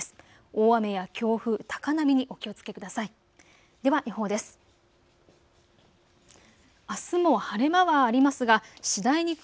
大雨や強風、高波にお気をつけください。